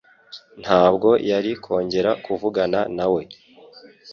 Ntabwo yari kongera kuvugana na we.